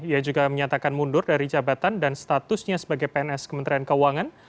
ia juga menyatakan mundur dari jabatan dan statusnya sebagai pns kementerian keuangan